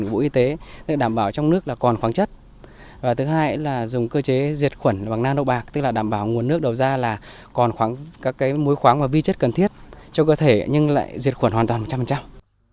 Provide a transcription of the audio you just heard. và thứ hai là dùng cơ chế diệt khuẩn bằng nano bạc tức là đảm bảo nguồn nước đầu ra là còn khoáng các cái mối khoáng và vi chất cần thiết cho cơ thể nhưng lại diệt khuẩn hoàn toàn một trăm linh